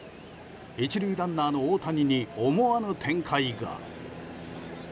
１塁ランナーの大谷に思わぬ展開が。